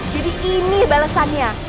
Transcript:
jadi ini balesannya